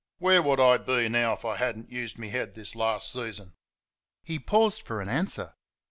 "Where would I be now if I had n't used me head this last season?" He paused for an answer.